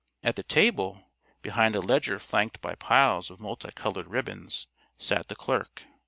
At the table, behind a ledger flanked by piles of multicolored ribbons, sat the clerk.